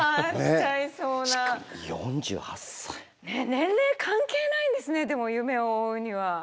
年齢関係ないんですねでも夢を追うには。